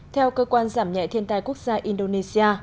theo cơ quan giảm nhẹ thiên tai quốc gia indonesia